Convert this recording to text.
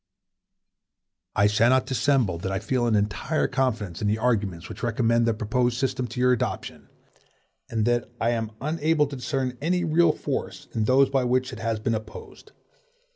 I shall not dissemble that I feel an entire confidence in the arguments which recommend the proposed system to your adoption, and that I am unable to discern any real force in those by which it has been opposed.